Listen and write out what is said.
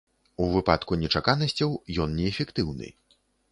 У выпадку нечаканасцяў, ён неэфектыўны.